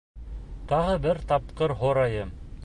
— Тағы бер тапҡыр һорайым.